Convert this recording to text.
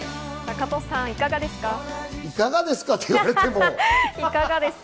加藤さん、いかがですか？